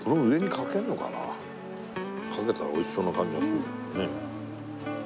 かけたらおいしそうな感じがするね。